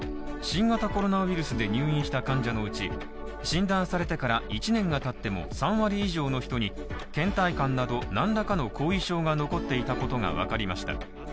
新型コロナウイルスで入院した患者のうち、診断されてから１年が経っても３割以上の人に、倦怠感など何らかの後遺症が残っていたことがわかりました。